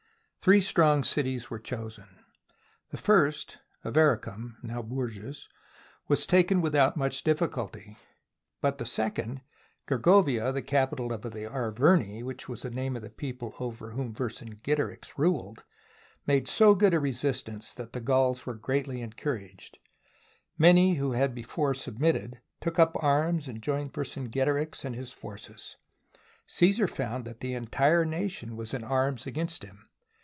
Three strong cities were chosen. The first, Avaricum (now Bourges) was taken without much difficulty; but the second, Gergovia, the capital of the Arverni, which was the name of the people over whom Vercingetorix ruled, made so good a re SIEGE OF ALESIA sistance that the Gauls were greatly encouraged, and many who had before submitted took up arms and joined Vercingetorix and his forces. Caesar found that the entire nation was in arms against him.